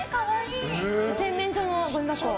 洗面所のごみ箱。